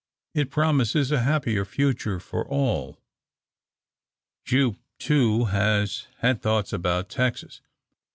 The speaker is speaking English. It promises a happier future for all. Jupe, too, has had thoughts about Texas.